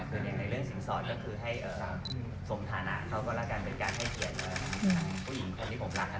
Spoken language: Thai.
คืออย่างในเรื่องสินสอดก็คือให้สมฐานะเขาก็แล้วกันเป็นการให้เกียรติผู้หญิงคนที่ผมรักกัน